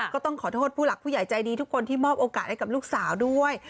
ก็ต้องขอโทษผู้หลักผู้ใหญ่ใจดีทุกคนที่มอบโอกาสให้กับลูกสาวด้วย